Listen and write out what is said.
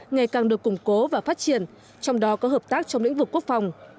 ngày càng được củng cố và phát triển trong đó có hợp tác trong lĩnh vực quốc phòng